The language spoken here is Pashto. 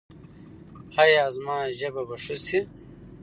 ایا زما ژبه به ښه شي؟